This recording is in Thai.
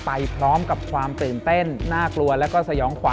ไปพร้อมกับความตื่นเต้นน่ากลัวแล้วก็สยองขวั